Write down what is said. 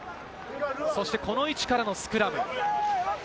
そしてこの位置からのスクラム。